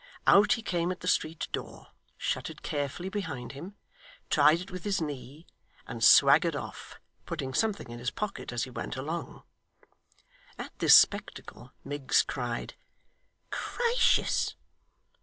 Out he came at the street door, shut it carefully behind him, tried it with his knee, and swaggered off, putting something in his pocket as he went along. At this spectacle Miggs cried 'Gracious!